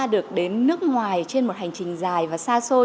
được đến nước ngoài trên một hành trình dài và xa xôi